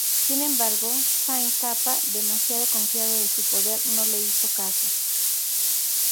Sin embargo, Singh Thapa, demasiado confiado de su poder, no le hizo caso.